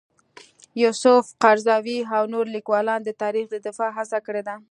یوسف قرضاوي او نور لیکوالان د تاریخ د دفاع هڅه کړې ده.